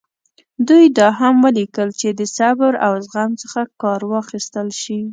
دوی دا هم ولیکل چې د صبر او زغم څخه کار واخیستل شي.